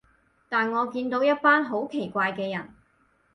但我見到一班好奇怪嘅人